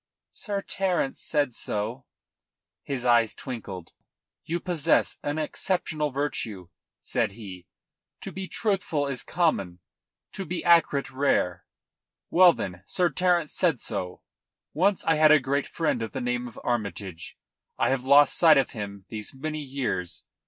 "Sir Terence said so." His eyes twinkled. "You possess an exceptional virtue," said he. "To be truthful is common; to be accurate rare. Well, then, Sir Terence said so. Once I had a great friend of the name of Armytage. I have lost sight of him these many years.